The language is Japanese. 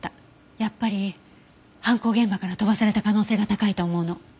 やっぱり犯行現場から飛ばされた可能性が高いと思うの。